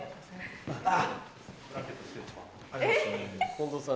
・近藤さん